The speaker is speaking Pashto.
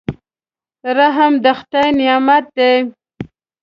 رحم د خدای نعمت دی.